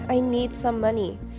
aku butuh duit